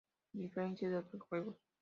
A diferencia de otros juegos.